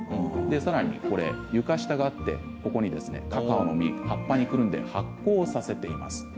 さらに床下があってここにカカオの実葉っぱにくるんで発酵させています。